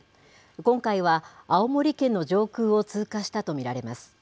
今回は、青森県の上空を通過したと見られます。